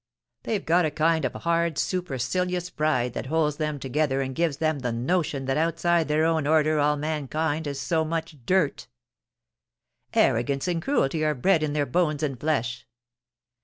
They've got a kind of hard supercilious pride that holds them together and gives them the notion that outside their own order all man kind is so much dirt Arrogance and cruelty are bred in their bones and flesh.